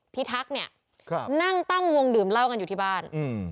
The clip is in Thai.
ทักษ์เนี่ยนั่งตั้งวงดื่มเหล้ากันอยู่ที่บ้าน